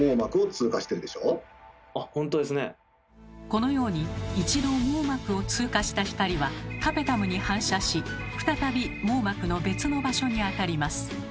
このように一度網膜を通過した光はタペタムに反射し再び網膜の別の場所に当たります。